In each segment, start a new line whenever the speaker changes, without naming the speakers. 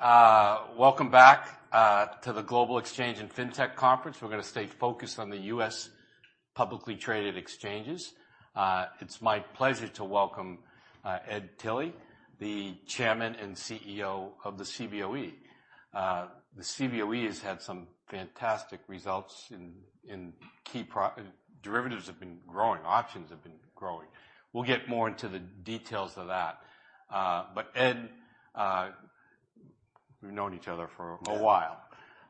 Welcome back to the Global Exchange and FinTech Conference. We're gonna stay focused on the U.S. publicly traded exchanges. It's my pleasure to welcome Ed Tilly, the Chairman and CEO of the Cboe. The Cboe has had some fantastic results in key derivatives have been growing, options have been growing. We'll get more into the details of that. Ed, we've known each other for a while.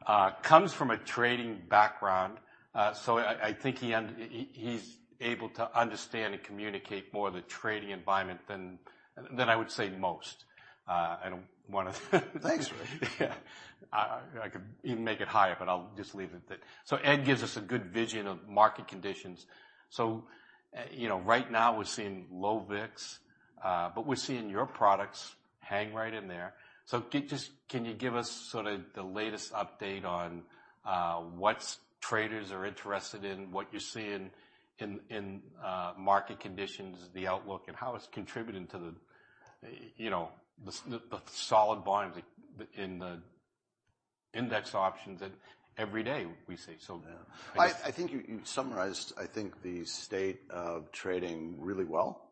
Yeah.
Comes from a trading background, I think he's able to understand and communicate more the trading environment than I would say most. I don't wanna-.
Thanks, Rich.
Yeah. I could even make it higher, but I'll just leave it at that. Ed gives us a good vision of market conditions. you know, right now, we're seeing low VIX, but we're seeing your products hang right in there. just, can you give us sort of the latest update on what traders are interested in, what you're seeing in market conditions, the outlook, and how it's contributing to the, you know, the solid volumes in the index options that every day we see?
Yeah. I think you summarized, I think, the state of trading really well.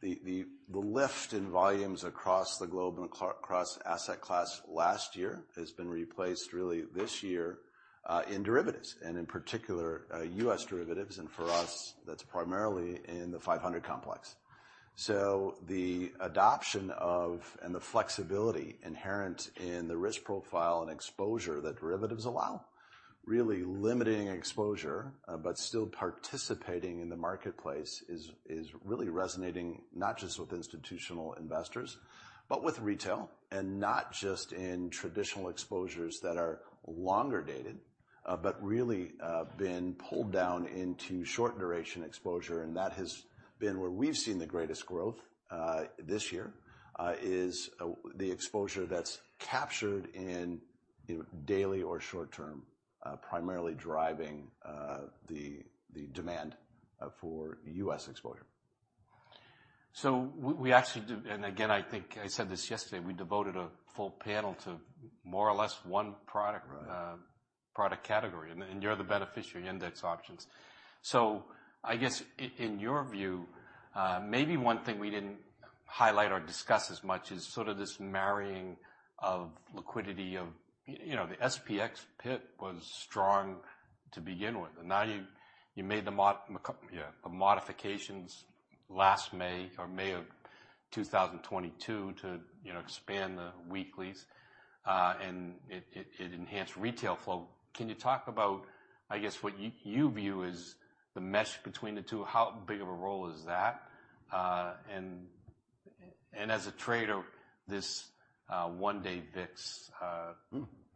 The lift in volumes across the globe and across asset class last year has been replaced really this year, in derivatives and in particular, U.S. derivatives, and for us, that's primarily in the 500 complex. The adoption of, and the flexibility inherent in the risk profile and exposure that derivatives allow, really limiting exposure, but still participating in the marketplace is really resonating, not just with institutional investors, but with retail, and not just in traditional exposures that are longer dated, but really been pulled down into short duration exposure. That has been where we've seen the greatest growth this year is the exposure that's captured in daily or short-term, primarily driving the demand for U.S. exposure.
We actually do. Again, I think I said this yesterday, we devoted a full panel to more or less one product.
Right.
product category, and you're the beneficiary, index options. I guess in your view, maybe one thing we didn't highlight or discuss as much is sort of this marrying of liquidity of. You know, the SPX pit was strong to begin with, and now you made the modifications last May or May of 2022, to, you know, expand the Weeklys, and it enhanced retail flow. Can you talk about, I guess, what you view as the mesh between the two? How big of a role is that? As a trader, this one-day VIX,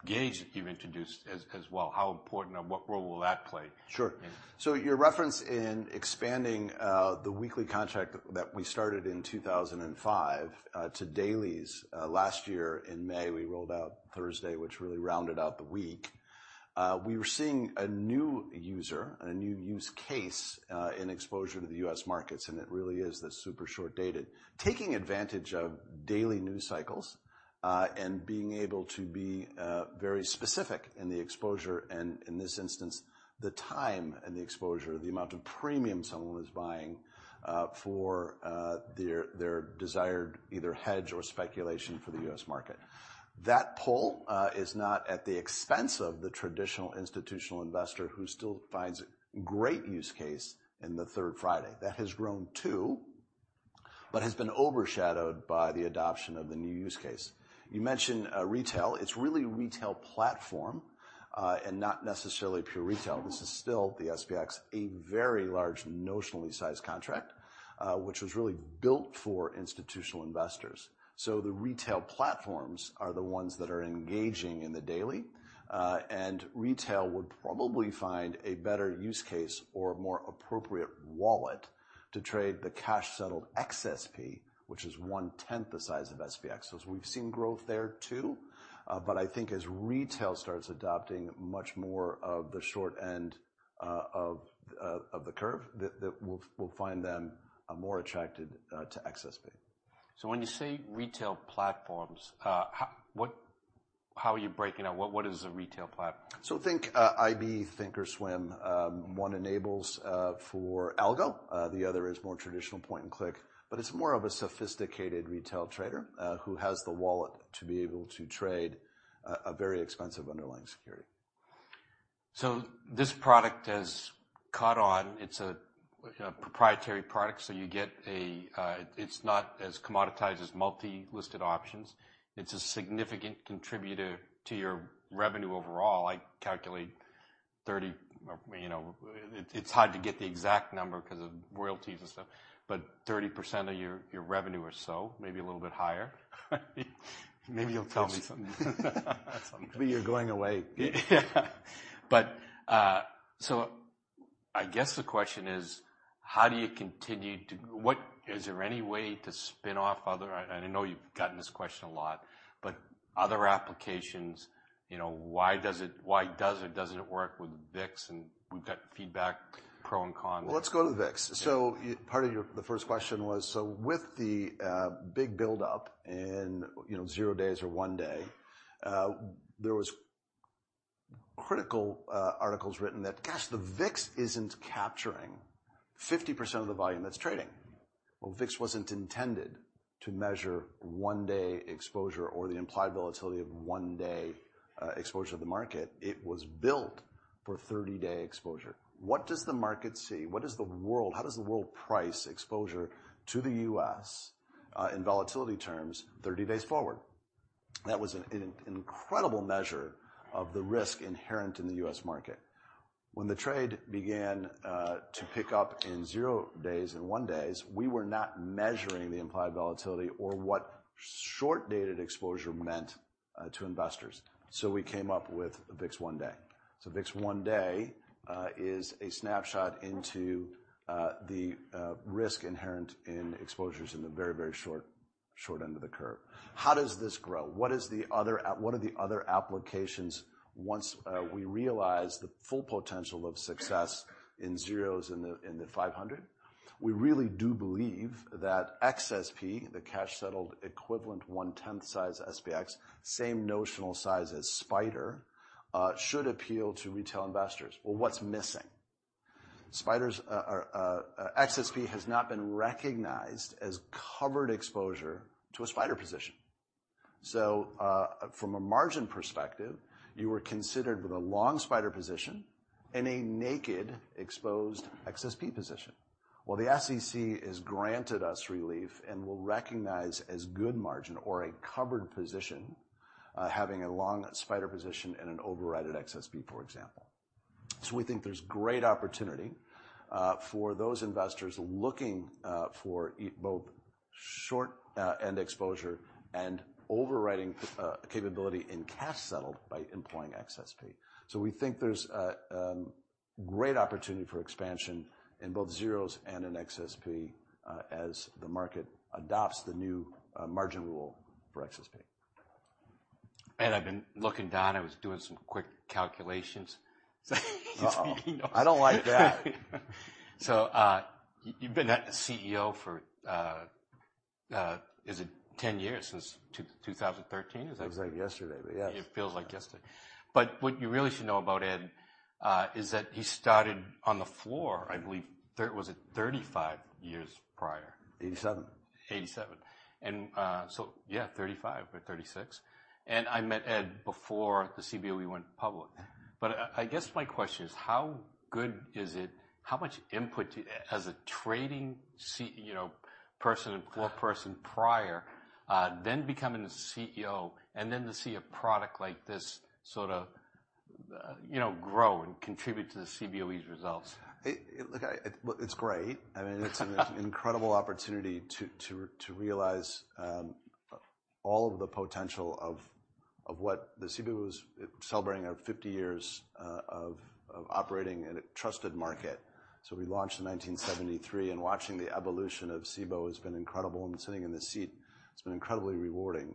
gauge that you introduced as well, how important or what role will that play?
Sure.
Yeah.
Your reference in expanding, the Weekly contract that we started in 2005, to daily's, last year in May, we rolled out Thursday, which really rounded out the week. We were seeing a new user, a new use case, in exposure to the U.S. markets, and it really is the super short-dated, taking advantage of daily news cycles, and being able to be very specific in the exposure, and in this instance, the time and the exposure, the amount of premium someone was buying for their desired either hedge or speculation for the U.S. market. That pull is not at the expense of the traditional institutional investor who still finds great use case in the third Friday. That has grown, too, but has been overshadowed by the adoption of the new use case. You mentioned retail. It's really retail platform, and not necessarily pure retail. This is still the SPX, a very large notionally sized contract, which was really built for institutional investors. The retail platforms are the ones that are engaging in the daily, and retail would probably find a better use case or more appropriate wallet to trade the cash-settled XSP, which is 1/10 the size of SPX. We've seen growth there, too, but I think as retail starts adopting much more of the short end of the curve, that we'll find them more attracted to XSP.
When you say retail platforms, how are you breaking out? What is a retail platform?
Think, IB, thinkorswim. One enables for algo, the other is more traditional point and click. It's more of a sophisticated retail trader, who has the wallet to be able to trade a very expensive underlying security.
This product has caught on. It's a proprietary product, so you get a. It's not as commoditized as multi-listed options. It's a significant contributor to your revenue overall. I calculate 30%. You know, it's hard to get the exact number 'cause of royalties and stuff, but 30% of your revenue or so, maybe a little bit higher. Maybe you'll tell me some.
Maybe you're going away.
Yeah. I guess the question is, how do you continue to... Is there any way to spin off other...? I know you've gotten this question a lot. Other applications, you know, why does it or doesn't it work with VIX? We've got feedback, pro and con.
Well, let's go to the VIX.
Yeah.
The first question was, with the big buildup in, you know, zero days or one day, there was critical articles written that, gosh, the VIX isn't capturing 50% of the volume that's trading. VIX wasn't intended to measure one-day exposure or the implied volatility of one-day exposure to the market. It was built for 30-day exposure. What does the market see? How does the world price exposure to the U.S. in volatility terms, 30 days forward? That was an incredible measure of the risk inherent in the U.S. market. When the trade began to pick up in zero days and one days, we were not measuring the implied volatility or what short-dated exposure meant to investors, so we came up with the VIX 1-Day. VIX 1-Day is a snapshot into the risk inherent in exposures in the very, very short end of the curve. How does this grow? What are the other applications once we realize the full potential of success in zeros in the five hundred? We really do believe that XSP, the cash-settled equivalent, 1/10 size SPX, same notional size as SPDR, should appeal to retail investors. Well, what's missing? SPDRs XSP has not been recognized as covered exposure to a SPDR position. From a margin perspective, you were considered with a long SPDR position and a naked, exposed XSP position. Well, the SEC has granted us relief and will recognize as good margin or a covered position, having a long SPDR position and an overwritten XSP, for example. We think there's great opportunity for those investors looking for both short, and exposure and overwriting capability in cash-settled by employing XSP. We think there's a great opportunity for expansion in both zeros and in XSP as the market adopts the new margin rule for XSP.
I've been looking down. I was doing some quick calculations. You know.
Uh-oh, I don't like that.
You've been CEO for, is it 10 years, since 2013?
It was like yesterday, but yes.
It feels like yesterday. What you really should know about Ed, is that he started on the floor, I believe, was it 35 years prior?
Eighty-seven.
87. Yeah, 35 or 36. I met Ed before the Cboe went public. I guess my question is, how good is it? How much input as a trading You know, person and floor person prior, then becoming a CEO, and then to see a product like this sort of, you know, grow and contribute to the Cboe's results?
Look, I mean, it's great. I mean, it's an incredible opportunity to realize all of the potential of what the Cboe was celebrating of 50 years of operating in a trusted market. We launched in 1973. Watching the evolution of Cboe has been incredible. Sitting in this seat, it's been incredibly rewarding.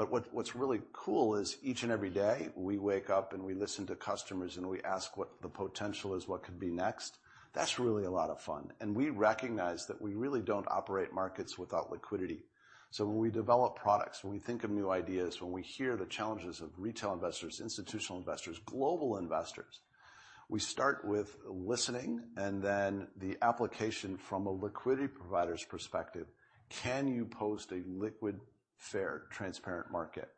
What's really cool is each and every day, we wake up. We listen to customers. We ask what the potential is, what could be next. That's really a lot of fun. We recognize that we really don't operate markets without liquidity. When we develop products, when we think of new ideas, when we hear the challenges of retail investors, institutional investors, global investors, we start with listening then the application from a liquidity provider's perspective. Can you post a liquid, fair, transparent market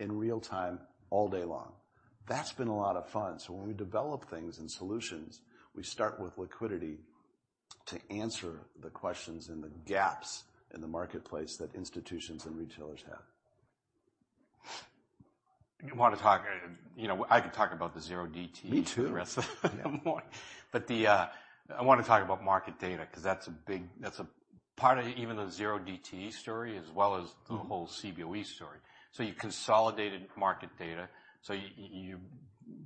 in real time, all day long? That's been a lot of fun. When we develop things and solutions, we start with liquidity to answer the questions and the gaps in the marketplace that institutions and retailers have.
You know, I could talk about the 0DTE.
Me too.
the rest of them. I want to talk about market data, because that's a big part of even the 0DTE story, as well as the whole Cboe story. You consolidated market data, you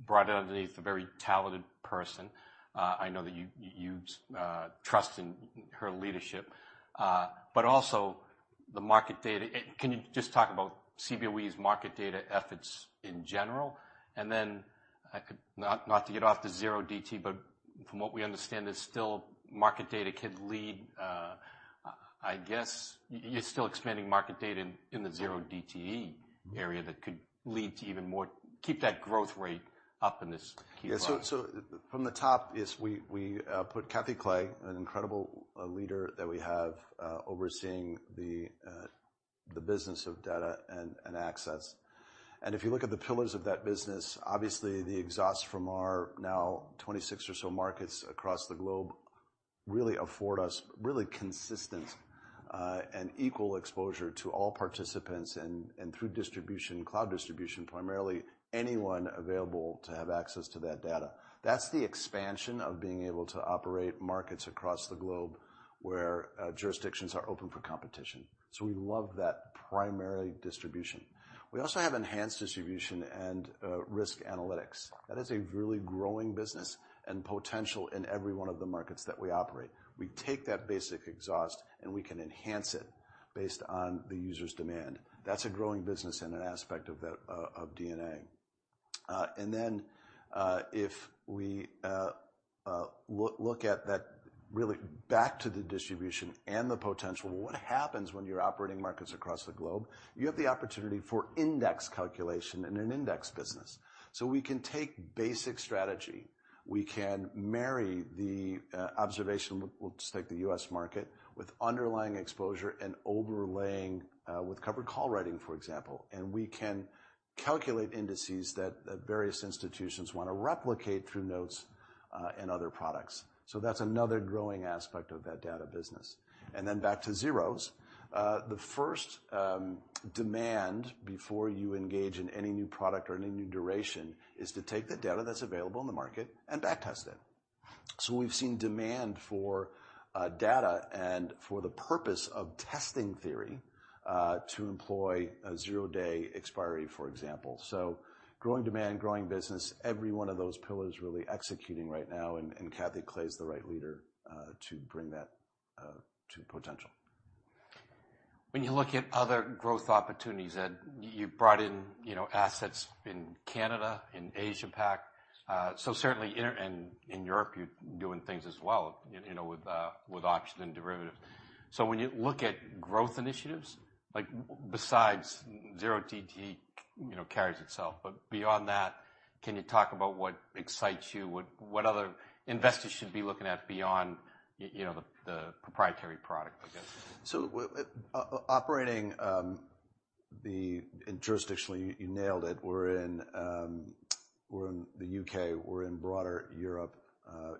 brought it underneath a very talented person. I know that you trust in her leadership, but also the market data. Can you just talk about Cboe's market data efforts in general? I could not to get off the 0DTE, but from what we understand, there's still market data could lead. I guess you're still expanding market data in the 0DTE area that could lead to even more, keep that growth rate up in this key product.
Yeah. From the top is we put Catherine Clay, an incredible leader that we have overseeing the business of data and access. If you look at the pillars of that business, obviously the exhausts from our now 26 or so markets across the globe really afford us really consistent and equal exposure to all participants and through distribution, cloud distribution, primarily anyone available to have access to that data. That's the expansion of being able to operate markets across the globe, where jurisdictions are open for competition. We love that primary distribution. We also have enhanced distribution and risk analytics. That is a really growing business and potential in every one of the markets that we operate. We take that basic exhaust, and we can enhance it based on the user's demand. That's a growing business and an aspect of that of DNA. Then, if we look at that really back to the distribution and the potential, what happens when you're operating markets across the globe? You have the opportunity for index calculation and an index business. We can take basic strategy, we can marry the observation, we'll just take the U.S. market, with underlying exposure and overlaying with covered call writing, for example. We can calculate indices that various institutions wanna replicate through notes and other products. That's another growing aspect of that data business. Then back to zeros. The first demand before you engage in any new product or any new duration, is to take the data that's available in the market and backtest it. We've seen demand for data and for the purpose of testing theory to employ a zero-day expiry, for example. Growing demand, growing business, every one of those pillars really executing right now, and Catherine Clay is the right leader to bring that to potential.
When you look at other growth opportunities, Ed, you've brought in, you know, assets in Canada, in Asia Pac. Certainly in and in Europe, you're doing things as well, you know, with auction and derivatives. When you look at growth initiatives, like besides 0DT, you know, carries itself, but beyond that, can you talk about what excites you? What other investors should be looking at beyond you know, the proprietary product, I guess?
Jurisdictionally, you nailed it. We're in the U.K., we're in broader Europe,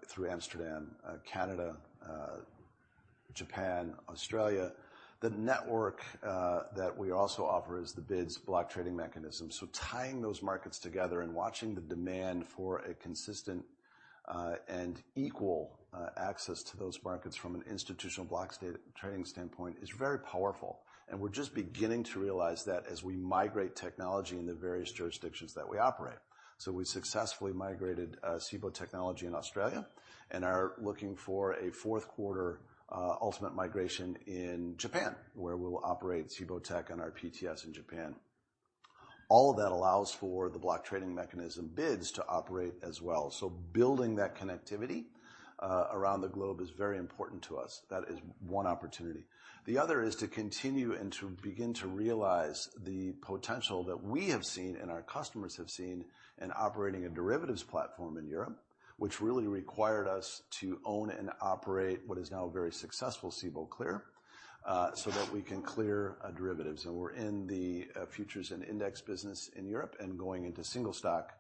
through Amsterdam, Canada, Japan, Australia. The network that we also offer is the BIDS block trading mechanism. Tying those markets together and watching the demand for a consistent and equal access to those markets from an institutional block trading standpoint is very powerful, and we're just beginning to realize that as we migrate technology in the various jurisdictions that we operate. We successfully migrated Cboe technology in Australia, and are looking for a fourth quarter ultimate migration in Japan, where we'll operate Cboe tech on our PTS in Japan. All of that allows for the block trading mechanism, BIDS, to operate as well. Building that connectivity around the globe is very important to us. That is one opportunity. The other is to continue and to begin to realize the potential that we have seen and our customers have seen in operating a derivatives platform in Europe, which really required us to own and operate what is now a very successful Cboe Clear, so that we can clear derivatives. We're in the futures and index business in Europe and going into single stock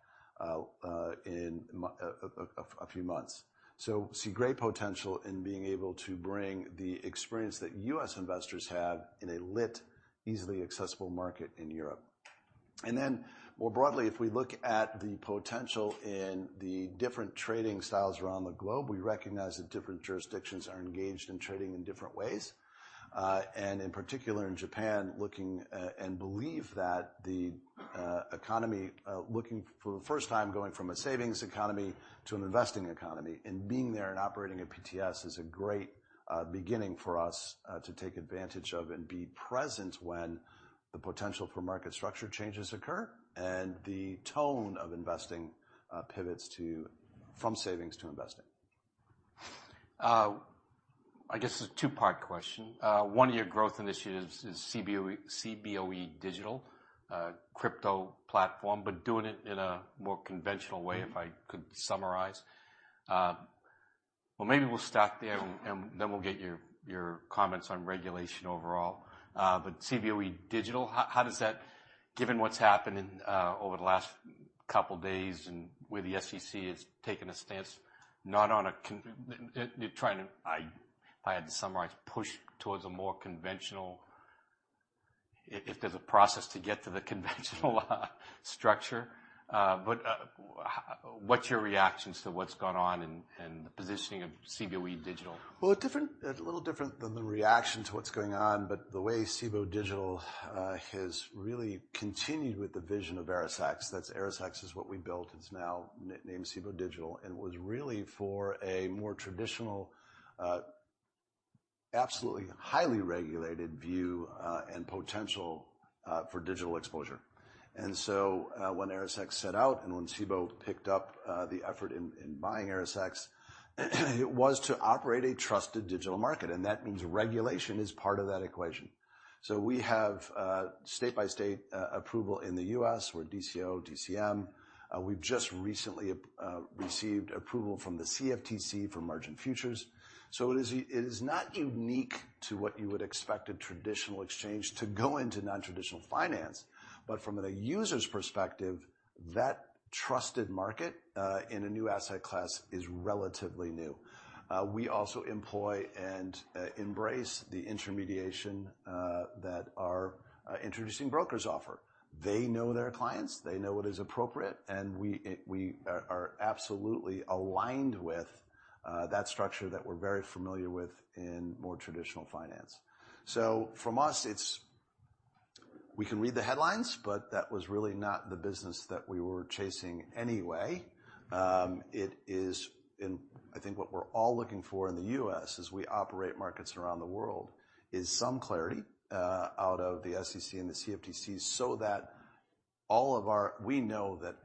in a few months. See great potential in being able to bring the experience that U.S. investors have in a lit, easily accessible market in Europe. Then, more broadly, if we look at the potential in the different trading styles around the globe, we recognize that different jurisdictions are engaged in trading in different ways. In particular, in Japan, looking and believe that the economy, looking for the first time, going from a savings economy to an investing economy. Being there and operating a PTS is a great beginning for us to take advantage of and be present when the potential for market structure changes occur, and the tone of investing pivots to, from savings to investing.
I guess it's a two-part question. One of your growth initiatives is Cboe, Cboe Digital, crypto platform, but doing it in a more conventional way, if I could summarize. Maybe we'll stop there, and then we'll get your comments on regulation overall. Cboe Digital, how does that, given what's happened in over the last couple days and where the SEC has taken a stance, not on a they're trying to... I, if I had to summarize, push towards a more conventional, if there's a process to get to the conventional structure. What's your reactions to what's gone on and the positioning of Cboe Digital?
Well, a little different than the reaction to what's going on, but the way Cboe Digital has really continued with the vision of 阿思サック ス, that's 阿思サックス is what we built, it's now named Cboe Digital, and was really for a more traditional, absolutely highly regulated view and potential for digital exposure. When 阿思サックス set out and when Cboe picked up the effort in buying 阿思サック ス, it was to operate a trusted digital market, and that means regulation is part of that equation. We have state-by-state approval in the U.S., we're DCO, DCM. We've just recently received approval from the CFTC for margin futures. It is not unique to what you would expect a traditional exchange to go into non-traditional finance, but from a user's perspective, that trusted market in a new asset class is relatively new. We also employ and embrace the intermediation that our introducing brokers offer. They know their clients, they know what is appropriate, and we are absolutely aligned with that structure that we're very familiar with in more traditional finance. We can read the headlines, but that was really not the business that we were chasing anyway. It is in, I think what we're all looking for in the U.S., as we operate markets around the world, is some clarity out of the SEC and the CFTC, so that we know that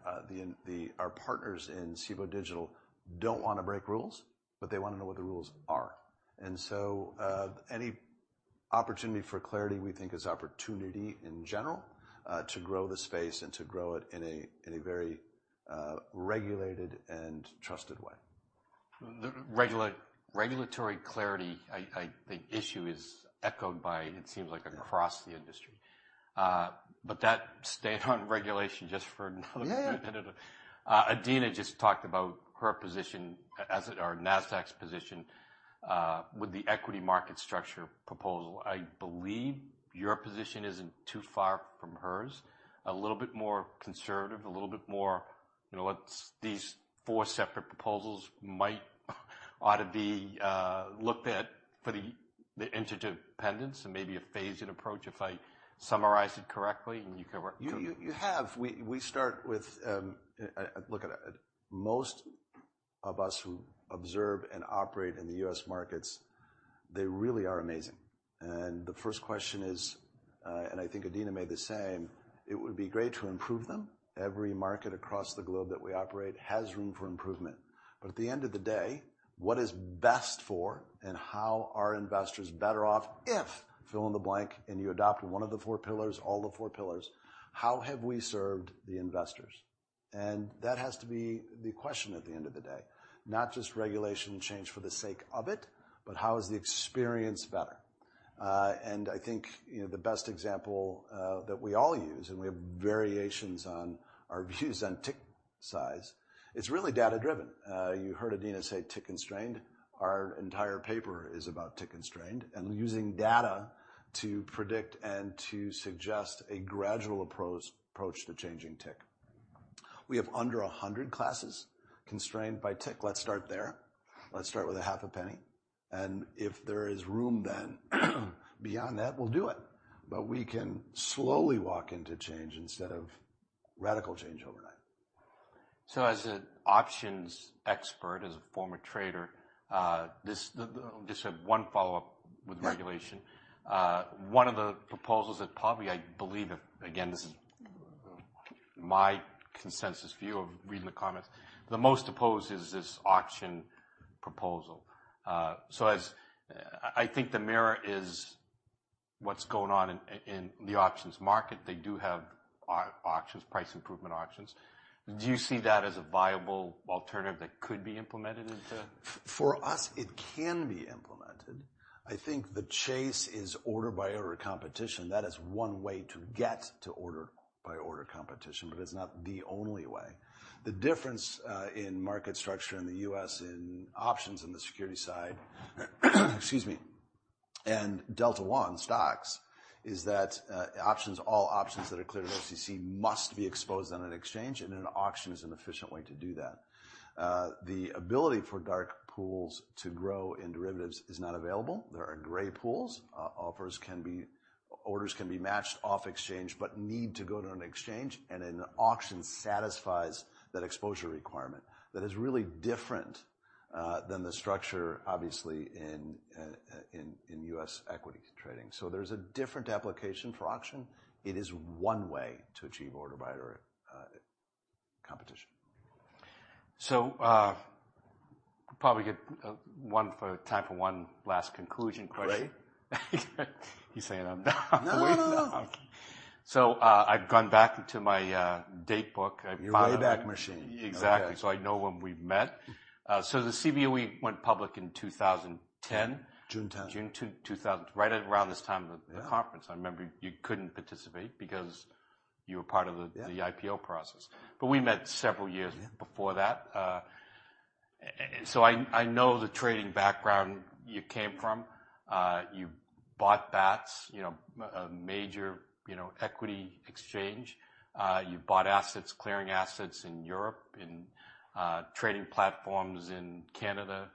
the our partners in Cboe Digital don't wanna break rules, but they wanna know what the rules are. Any opportunity for clarity, we think, is opportunity in general to grow the space and to grow it in a, in a very regulated and trusted way.
The regulatory clarity. The issue is echoed by, it seems like, across the industry. That stay on regulation just for another minute.
Yeah.
Adena just talked about her position, as it or Nasdaq's position, with the equity market structure proposal. I believe your position isn't too far from hers. A little bit more conservative, a little bit more, you know, what's these four separate proposals might, ought to be, looked at for the interdependence and maybe a phased approach, if I summarize it correctly, and you can correct-
You have. We start with, look at it. Most of us who observe and operate in the U.S. markets, they really are amazing. The first question is, and I think Adena made the same: It would be great to improve them. Every market across the globe that we operate has room for improvement, at the end of the day, what is best for and how are investors better off if, fill in the blank, you adopt one of the four pillars, all the four pillars, how have we served the investors? That has to be the question at the end of the day, not just regulation change for the sake of it, how is the experience better? I think, you know, the best example that we all use, and we have variations on our views on tick size, it's really data-driven. You heard Adena say, tick-constrained. Our entire paper is about tick-constrained and using data to predict and to suggest a gradual approach to changing tick. We have under 100 classes constrained by tick. Let's start there. Let's start with a half a penny, and if there is room then, beyond that, we'll do it. We can slowly walk into change instead of radical change overnight.
As an options expert, as a former trader, Just have one follow-up with regulation.
Yeah.
One of the proposals that probably, I believe, again, this is my consensus view of reading the comments, the most opposed is this auction proposal. I think the mirror is what's going on in the options market. They do have auctions, price improvement auctions. Do you see that as a viable alternative that could be implemented into?
For us, it can be implemented. I think the chase is order-by-order competition. That is one way to get to order-by-order competition, but it's not the only way. The difference in market structure in the U.S., in options in the security side, excuse me, and Delta One stocks, is that options, all options that are cleared at OCC must be exposed on an exchange, and an auction is an efficient way to do that. The ability for dark pools to grow in derivatives is not available. There are gray pools. Orders can be matched off exchange, but need to go to an exchange, and an auction satisfies that exposure requirement. That is really different than the structure, obviously, in U.S. equity trading. There's a different application for auction. It is one way to achieve order-by-order competition.
Probably get time for one last conclusion question.
Great.
He's saying I'm not-.
No, no.
Okay. I've gone back to my date book.
Your way back machine.
Exactly.
Okay.
I know when we've met. The Cboe went public in 2010?
June 10.
June 2, 2000. Right around this time of the conference.
Yeah.
I remember you couldn't participate because you were part of the-
Yeah
the IPO process, but we met several years-
Yeah
Before that. I know the trading background you came from. You bought BATS, you know, a major, you know, equity exchange. You bought assets, clearing assets in Europe, in trading platforms in Canada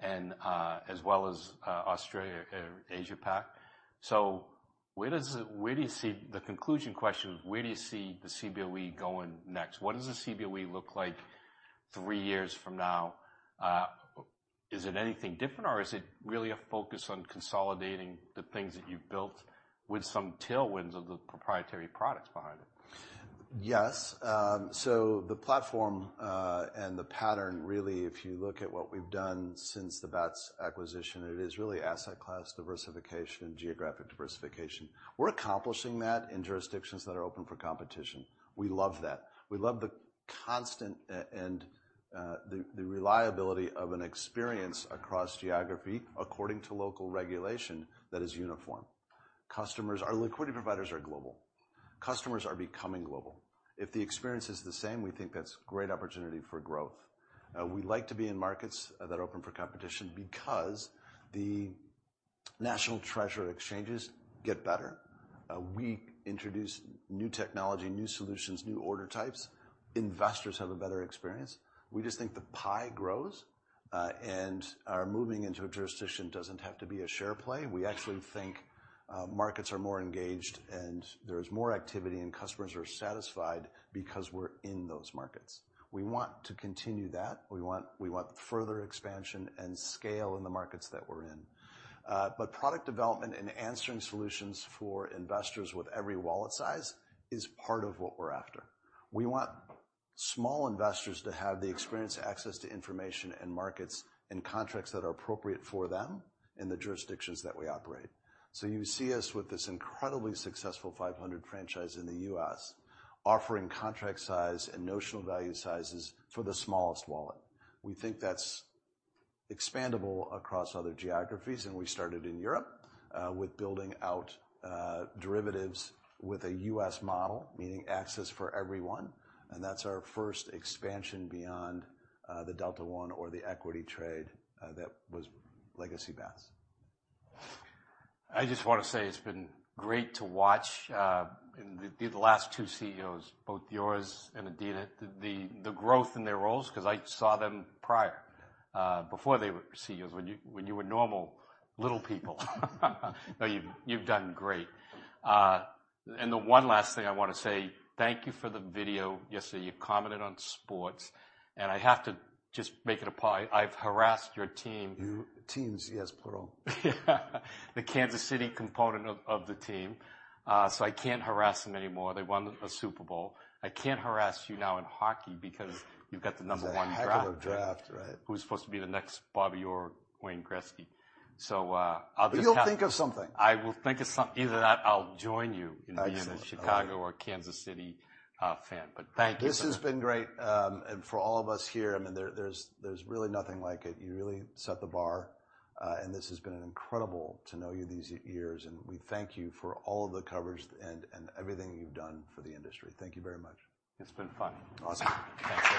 and as well as Australia, Asia Pac. The conclusion question, where do you see the Cboe going next? What does the Cboe look like three years from now? Is it anything different, or is it really a focus on consolidating the things that you've built with some tailwinds of the proprietary products behind it?
Yes. The platform, and the pattern, really, if you look at what we've done since the BATS acquisition, it is really asset class diversification and geographic diversification. We're accomplishing that in jurisdictions that are open for competition. We love that. We love the constant and the reliability of an experience across geography, according to local regulation that is uniform. Our liquidity providers are global. Customers are becoming global. If the experience is the same, we think that's great opportunity for growth. We like to be in markets that are open for competition because the national treasure exchanges get better. We introduce new technology, new solutions, new order types. Investors have a better experience. We just think the pie grows. Our moving into a jurisdiction doesn't have to be a share play. We actually think markets are more engaged, and there's more activity, and customers are satisfied because we're in those markets. We want to continue that. We want further expansion and scale in the markets that we're in. Product development and answering solutions for investors with every wallet size is part of what we're after. We want small investors to have the experience, access to information, and markets, and contracts that are appropriate for them in the jurisdictions that we operate. You see us with this incredibly successful 500 franchise in the U.S., offering contract size and notional value sizes for the smallest wallet. We think that's expandable across other geographies, and we started in Europe with building out derivatives with a U.S. model, meaning access for everyone, and that's our first expansion beyond the Delta One or the equity trade that was legacy BATS.
I just want to say it's been great to watch, the last two CEOs, both yours and Adena. The growth in their roles, because I saw them prior, before they were CEOs, when you, when you were normal little people. No, you've done great. The one last thing I want to say: thank you for the video. Yesterday, you commented on sports, and I have to just make it apply. I've harassed your team.
Teams, yes, plural.
Yeah. The Kansas City component of the team. I can't harass them anymore. They won a Super Bowl. I can't harass you now in hockey because you've got the number one draft.
I've got the draft, right.
Who's supposed to be the next Bobby Orr, Wayne Gretzky.
You'll think of something.
I will think of some... Either that, I'll join you-
Excellent.
In being a Chicago or Kansas City, fan, but thank you.
This has been great. For all of us here, I mean, there's really nothing like it. You really set the bar. This has been incredible to know you these years. We thank you for all the coverage and everything you've done for the industry. Thank you very much.
It's been fun.
Awesome. Thank you.